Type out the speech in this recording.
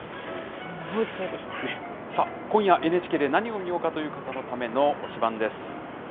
さあ、今夜、ＮＨＫで何を見ようかという方のための推しバン！です。